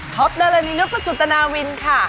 ท็อปนารณีนุภาษุตนาวินค่ะ